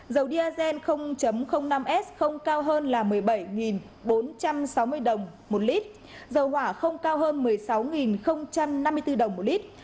dầu diazen năm s không cao hơn là một mươi bảy bốn trăm sáu mươi đồng một lít dầu hỏa không cao hơn một mươi sáu năm mươi bốn đồng một lít